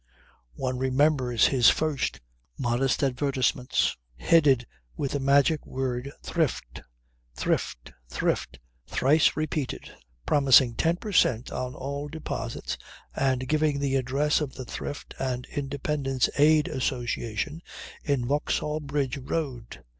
One remembers his first modest advertisements headed with the magic word Thrift, Thrift, Thrift, thrice repeated; promising ten per cent. on all deposits and giving the address of the Thrift and Independence Aid Association in Vauxhall Bridge Road.